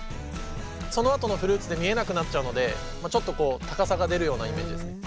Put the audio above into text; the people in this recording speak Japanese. そのあとのフルーツで見えなくなっちゃうのでちょっと高さが出るようなイメージですね。